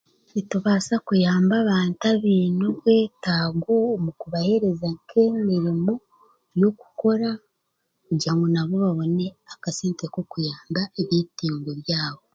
Nitubaasa kuyamba abantu abaine obwetaago omu kubaaheereza nk'emirimo n'okukora kugira nabo babone akasente k'okuyamba ebyetaago byabo